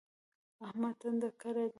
احمد ټنډه کړې ده.